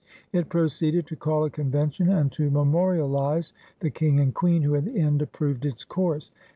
It proceeded to call] a convention and to memorialize the King and Queen, who in the end approved its course.